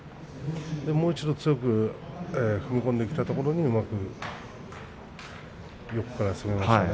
もう一度、強く踏み込んできたところにうまく横から攻めましたね。